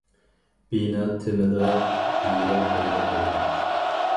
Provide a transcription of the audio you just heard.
بىنا تېمىدا يېرىق پەيدا بولغان.